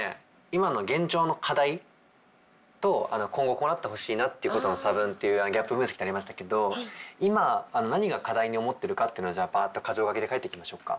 今の現状の課題と今後こうなってほしいなっていうことの差分っていうギャップ分析ってありましたけど今何が課題に思ってるかパッと箇条書きで書いていきましょうか。